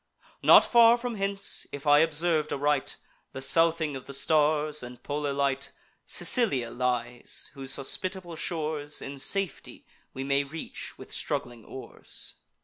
Not far from hence, if I observ'd aright The southing of the stars, and polar light, Sicilia lies, whose hospitable shores In safety we may reach with struggling oars."